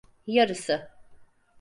Yarısı…